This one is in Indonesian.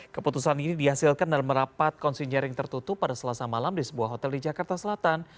keputusan ini dihasilkan dalam merapat konsinyering tertutup pada selasa malam di sebuah hotel di jakarta selatan